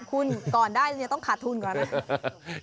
คุณก่อนได้ต้องขาดทุนก่อนไหม